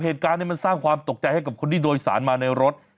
เหตุการณ์นี้มันสร้างความตกใจให้กับคนที่โดยสารมาในรถ